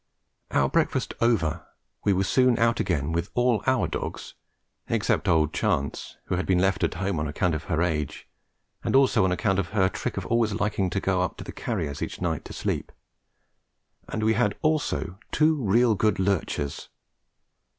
Our breakfast over, we were soon out again with all our dogs (except old Chance, who had been left at home on account of her age, and also on account of her trick of always liking to go up to the carrier's each night to sleep), and we had also two real good lurchers.